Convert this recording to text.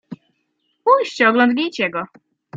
"Pójdźcie oglądnijcie go."